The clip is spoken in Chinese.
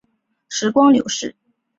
时光流逝